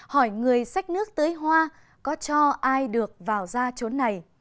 hỏi người xách nước tưới hoa có cho ai được vào ra chỗ này